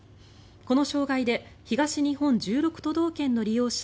この障害で東日本１６都道県の利用者